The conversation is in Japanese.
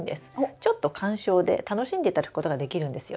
ちょっと観賞で楽しんでいただくことができるんですよ。